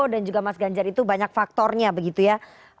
dan juga mas ganjar itu banyak faktornya begitu ya